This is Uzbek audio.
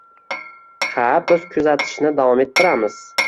Ha, biz kuzatishni davom ettiramiz